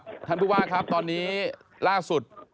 ท่านผู้ว่าครับตอนนี้ล่าสุด